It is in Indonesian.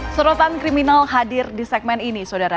serotan kriminal hadir di segmen ini sodara